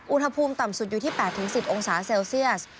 อุณหภูมิต่ำสุดอยู่ที่๘๑๐องศาเซลเซียส